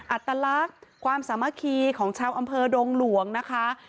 อัตลักษณ์ความสามัคคีของชาวอำเภอดงหลวงนะคะ